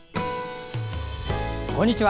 こんにちは。